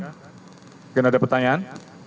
mungkin ada pertanyaan